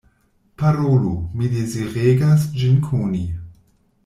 Parolu; mi deziregas ĝin koni.